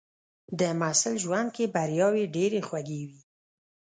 د محصل ژوند کې بریاوې ډېرې خوږې وي.